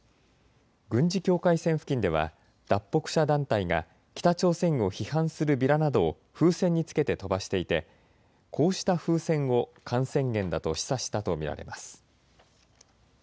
軍事境界線付近では脱北者団体が北朝鮮を批判するビラなどを風船に付けて飛ばしていてこうした風船を感染源だと示唆したと見られます。